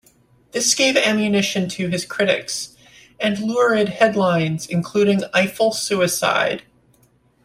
This gave ammunition to his critics, and lurid headlines including Eiffel Suicide!